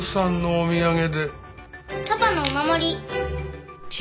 パパのお守り。